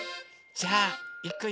じゃあいくよ。